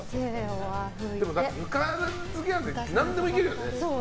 だって、ぬか漬けなんて何でもいけるよね。